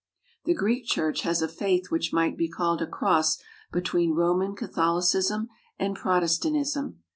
The Greek Church has a faith which might be called a cross between Roman Catholicism and Prot estantism.